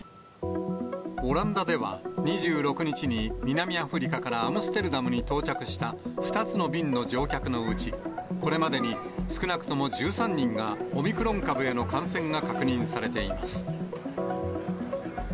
オランダでは２６日に南アフリカからアムステルダムに到着した２つの便の乗客のうち、これまでに少なくとも１３人がオミクロン株への感染が確認されています。